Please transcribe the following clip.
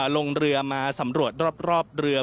ลงเรือมาสำรวจรอบเรือ